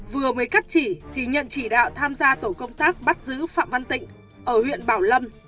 vừa mới cắt chỉ thì nhận chỉ đạo tham gia tổ công tác bắt giữ phạm văn tịnh ở huyện bảo lâm